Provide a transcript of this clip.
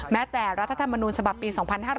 แม้แต่รัฐธรรมนูญฉบับปี๒๕๕๙